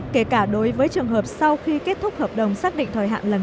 kể cả đối với trường hợp sau khi kết thúc hợp đồng xác định thời hạn lần